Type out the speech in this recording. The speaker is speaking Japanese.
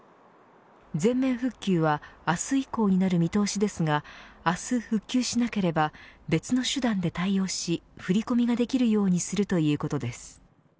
全面復旧は明日以降になる見通しですが明日復旧しなければ別の手段で対応し振り込みができるようにするということです。